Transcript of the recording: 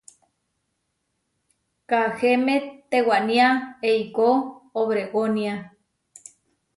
Kahéme tewaniá eikó Obregónia.